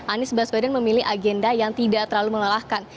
anies baswedan memilih agenda yang tidak terlalu melelahkan